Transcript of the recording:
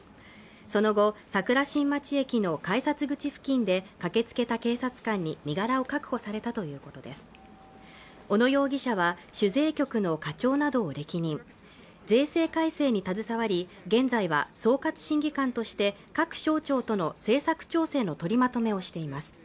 その後桜新町駅の改札口付近で駆けつけた警察官に身柄を確保されたということです小野容疑者は主税局の課長などを歴任税制改正に携わり現在は総括審議官として各省庁との政策調整の取りまとめをしています